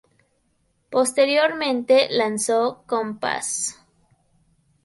Posteriormente lanzó "Compass".